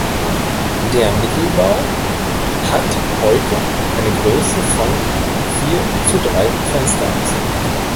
Der Mittelbau hat heute eine Größe von vier zu drei Fensterachsen.